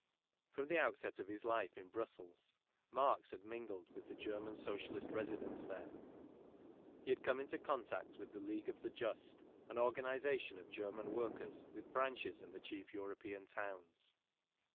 From the outset of his life in Brussels, Marx had mingled with the German socialist residents there. He had come into contact with the League of the Just, an organization of German workers with branches in the chief European towns.